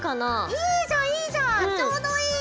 いいじゃんいいじゃんちょうどいい！